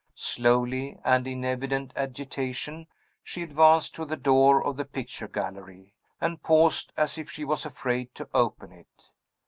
Slowly, and in evident agitation, she advanced to the door of the picture gallery and paused, as if she was afraid to open it.